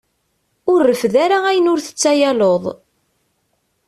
Ur reffed ara ayen ur tettayaleḍ.